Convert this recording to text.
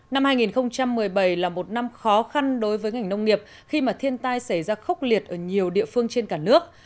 năm hai nghìn một mươi bảy là một năm khó khăn đối với ngành nông nghiệp khi mà thiên tai xảy ra khốc liệt ở nhiều địa phương trên cả nước